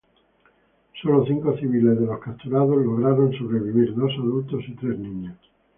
Solo cinco civiles, de los capturados, lograron sobrevivir: dos adultos y tres niños.